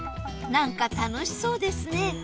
なんか楽しそうですね